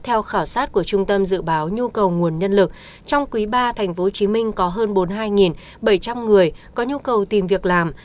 theo khảo sát của trung tâm dự báo nhu cầu nguồn nhân lực trong quý ba tp hcm có hơn bốn mươi hai bảy trăm linh người có nhu cầu tìm việc làm